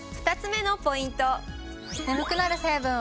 ２つ目のポイント！